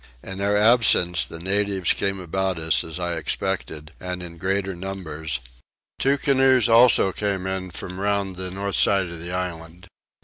In their absence the natives came about us as I expected, and in greater numbers; two canoes also came in from round the north side of the island.